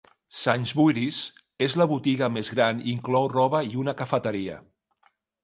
Sainsburys és la botiga més gran i inclou roba i una cafeteria.